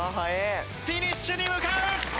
フィニッシュに向かう！